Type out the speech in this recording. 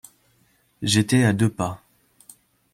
J'étais à deux pas.